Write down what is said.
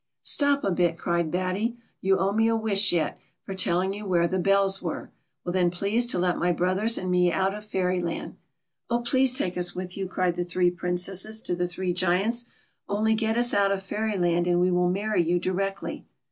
^'" Stop a bit," cried Batty, " you owe me a wish yet for telling you where the bells were, well then please to let my brothers and me out of Fairyland." " Oh, please take us with you 1 " cried the three Princesses to the three Giants. " Only get us out of Fairyland and we will marry you directly."